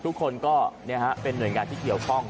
ทุกคนก็เป็นหน่วยงานที่เกี่ยวข้อง